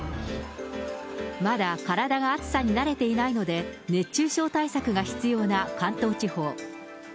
まだ体が暑さに慣れていないので、熱中症対策が必要な関東地方。